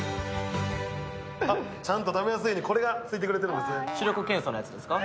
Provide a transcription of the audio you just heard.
ちゃんと食べやすいようにこれがついてくれてるんですね。